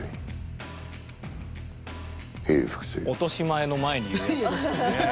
落とし前の前に言うやつですね。